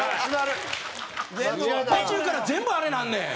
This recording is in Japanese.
途中から全部あれになんねん。